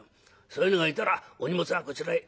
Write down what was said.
そういうのがいたら『お荷物はこちらへ。